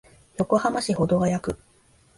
横浜市保土ケ谷区